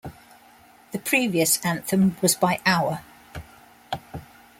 The previous anthem was by Aur.